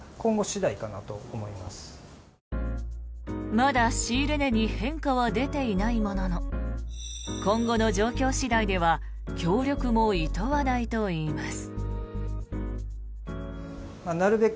まだ仕入れ値に変化は出ていないものの今後の状況次第では協力もいとわないといいます。